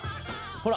ほら！